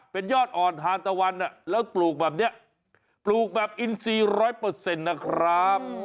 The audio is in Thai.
เป็นยอดอ่อนทานตะวันแล้วปลูกแบบนี้ปลูกแบบอินซีร้อยเปอร์เซ็นต์นะครับ